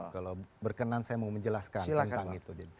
kalau berkenan saya mau menjelaskan tentang itu